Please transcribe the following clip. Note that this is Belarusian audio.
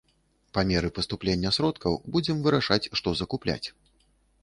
Па меры паступлення сродкаў будзем вырашаць, што закупляць.